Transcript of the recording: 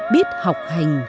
biết học hành